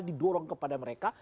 didorong kepada mereka